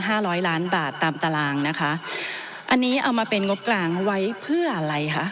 ร้อยล้านบาทตามตารางนะคะอันนี้เอามาเป็นงบกลางไว้เพื่ออะไรคะ